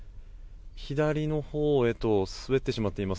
左のほうへと滑ってしまっています。